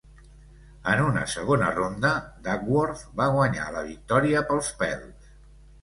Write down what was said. En una segona ronda, Dagworth va guanyar la victòria pels pèls.